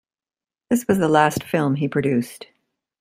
This was the last film he produced.